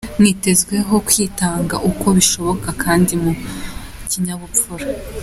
Mwitezweho kwitanga uko bishiboka kandi mu kinyabupfura.”